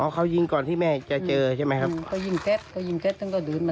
ได้ยินเซียงทุนประมาณถึง๑๐นัทประมาณ๗โมงครึ่งค่ะ